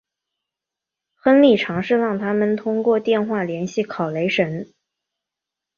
亨利尝试让他们通过电话联系考雷什。